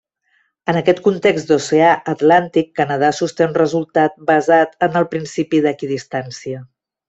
En aquest context d'oceà Atlàntic, Canadà sosté un resultat basat en el principi d'equidistància.